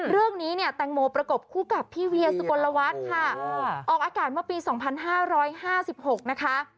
เรื่องนี้เนี่ยแตงโมประกบคู่กับพี่เวียสุกลวัฒน์ค่ะออกอากาศเมื่อปี๒๕๕๖นะคะ